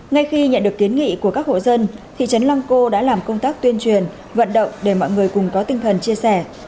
ngay khi nhận được kiến nghị của các hộ dân thị trấn lăng cô đã làm công tác tuyên truyền vận động để mọi người cùng có tinh thần chia sẻ